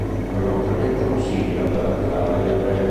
Può inoltre emettere un sibilo per attirare le prede.